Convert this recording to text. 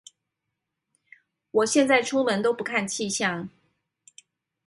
我現在出門都不看氣象